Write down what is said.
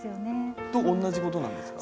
それと同じことなんですか？